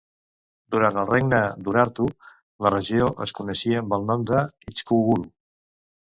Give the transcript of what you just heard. Durant el regne d'Urartu, la regió es coneixia amb el nom de «Ichqugulu».